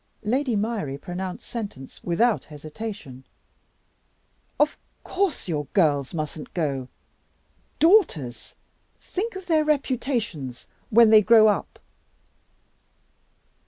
Lady Myrie pronounced sentence without hesitation. "Of course your girls mustn't go. Daughters! Think of their reputations when they grow up!"